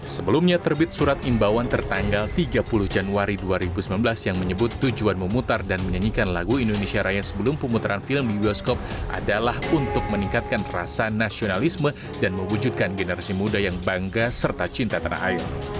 sebelumnya terbit surat imbauan tertanggal tiga puluh januari dua ribu sembilan belas yang menyebut tujuan memutar dan menyanyikan lagu indonesia raya sebelum pemutaran film di bioskop adalah untuk meningkatkan rasa nasionalisme dan mewujudkan generasi muda yang bangga serta cinta tanah air